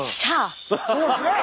そうですね。